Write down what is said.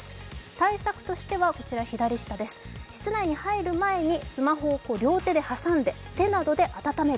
対策としては、室内に入る前にスマホを両手で挟んで手などで温める。